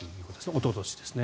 おととしです。